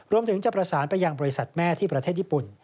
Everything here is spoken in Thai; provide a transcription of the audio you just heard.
รวมถึงจะประสานไปยังบริษัทแม่ที่ประเทศญี่ปุ่น